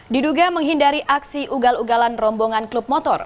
diduga menghindari aksi ugal ugalan rombongan klub motor